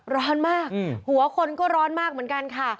ร้อนมากหัวคนก็ร้อนมากเหมือนกันค่ะ